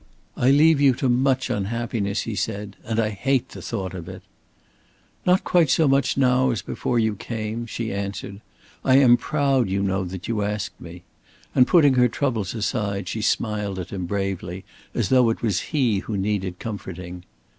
"I leave you to much unhappiness," he said, "and I hate the thought of it." "Not quite so much now as before you came," she answered. "I am proud, you know, that you asked me," and putting her troubles aside, she smiled at him bravely, as though it was he who needed comforting.